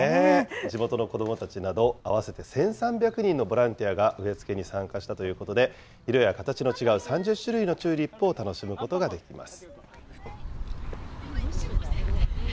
地元の子どもたちなど、合わせて１３００人のボランティアが植え付けに参加したということで、色や形の違う３０種類のチューリップを楽しむことができます。